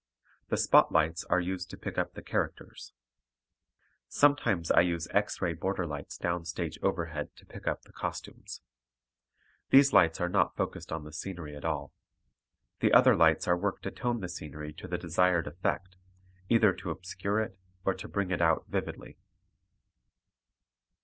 The spot lights are used to pick up the characters; sometimes I use X ray border lights down stage overhead to pick up the costumes. These lights are not focused on the scenery at all. The other lights are worked to tone the scenery to the desired effect, either to obscure it or to bring it out vividly.